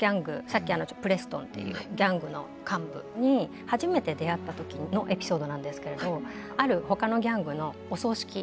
さっきプレストンというギャングの幹部に初めて出会った時のエピソードなんですけれどあるほかのギャングのお葬式。